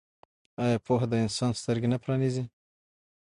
آیا پوهه د انسان سترګې نه پرانیزي؟